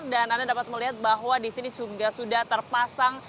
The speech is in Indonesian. dan anda dapat melihat bahwa di sini juga sudah terpasang